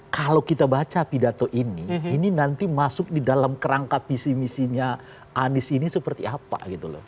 kalau kita baca pidato ini ini nanti masuk di dalam kerangka visi misinya anies ini seperti apa gitu loh